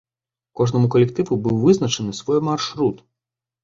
Кожнаму калектыву быў вызначаны свой маршрут.